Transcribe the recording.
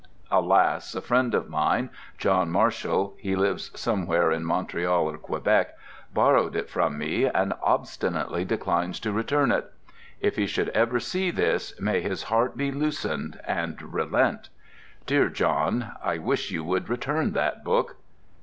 Alas, a friend of mine, John Marshall (he lives somewhere in Montreal or Quebec), borrowed it from me, and obstinately declines to return it. If he should ever see this, may his heart be loosened and relent. Dear John, I wish you would return that book.